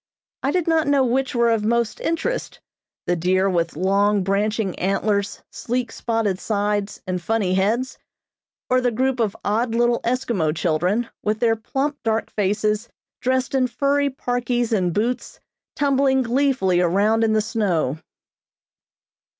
I did not know which were of most interest, the deer with long, branching antlers, sleek spotted sides and funny heads, or the group of odd little Eskimo children, with their plump dark faces, dressed in furry parkies and boots, tumbling gleefully around in the snow.